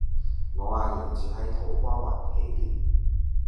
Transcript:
我阿爺住喺土瓜灣喜點